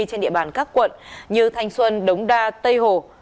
trên địa bàn các quận như thanh xuân đống đa tây hồ